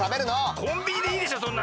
コンビニでいいでしょそんなの！